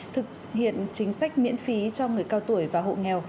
thực hiện chính sách miễn phí cho người cao tuổi và hộ nghèo